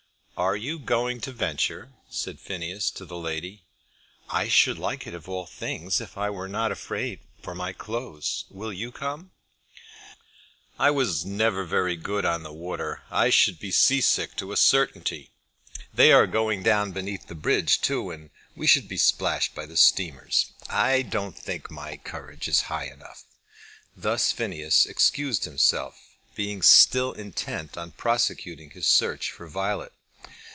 "Are you going to venture?" said Phineas to the lady. "I should like it of all things if I were not afraid for my clothes. Will you come?" "I was never good upon the water. I should be sea sick to a certainty. They are going down beneath the bridge too, and we should be splashed by the steamers. I don't think my courage is high enough." Thus Phineas excused himself, being still intent on prosecuting his search for Violet.